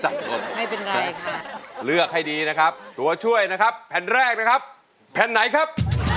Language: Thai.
ไม่เป็นไรค่ะเลือกให้ดีนะครับตัวช่วยนะครับแผ่นแรกนะครับแผ่นไหนครับ